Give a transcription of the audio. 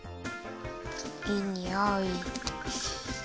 いいにおい。